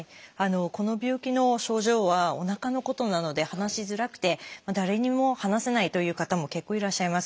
この病気の症状はおなかのことなので話しづらくて誰にも話せないという方も結構いらっしゃいます。